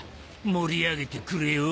盛り上げてくれよ！